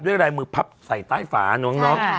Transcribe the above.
ด้วยรายมือพับใส่ใต้ฝาน้องน้อง